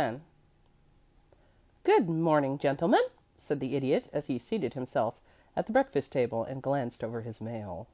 X "Good morning, gentlemen," said the Idiot, as he seated himself at the breakfast table and glanced over his mail.